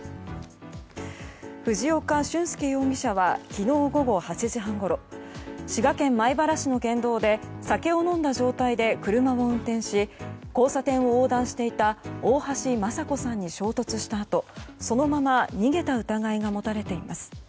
藤岡俊介容疑者は昨日午後８時半ごろ滋賀県米原市の県道で酒を飲んだ状態で車を運転し交差点を横断していた大橋正子さんに衝突したあとそのまま逃げた疑いが持たれています。